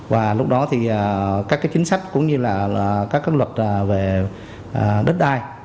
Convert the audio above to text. và lúc đó thì các chính sách cũng như là các luật về đất đai